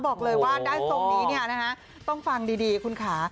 บอกเลยว่าได้ทรงนี้ต้องฟังดีคุณค่ะ